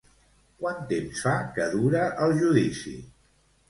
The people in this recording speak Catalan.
Quant temps fa que dura el judici?